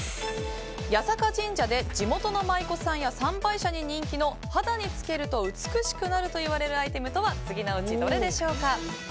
八坂神社で地元の舞妓さんや参拝者に人気の肌につけると美しくなるといわれるアイテムとは次のうち、どれでしょうか。